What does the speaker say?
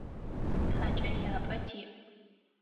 Хакӏэ лъапӏэ тиӏ.